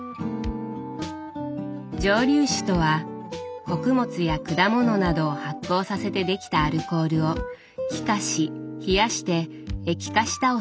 蒸留酒とは穀物や果物などを発酵させてできたアルコールを気化し冷やして液化したお酒のこと。